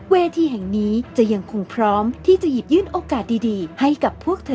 เวทีแห่งนี้จะยังคงพร้อมที่จะหยิบยื่นโอกาสดีให้กับพวกเธอ